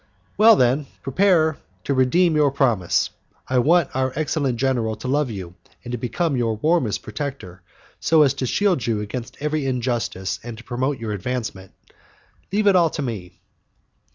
"Well, then, prepare to redeem your promise. I want our excellent general to love you and to become your warmest protector, so as to shield you against every injustice and to promote your advancement. Leave it all to me."